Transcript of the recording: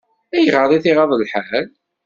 Ayɣer i t-iɣaḍ lḥal?